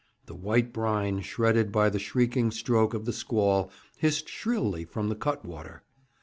The white brine, shredded by the shrieking stroke of the squall, hissed shrilly from the cut water.